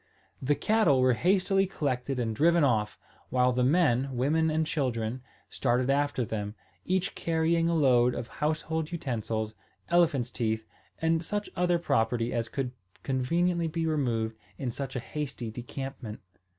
The cattle were hastily collected and driven off, while the men, women, and children started after them, each carrying a load of household utensils, elephants' teeth, and such other property as could be conveniently removed in such a hasty decampment.